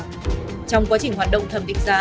trong quá trình hoạt động thẩm định giá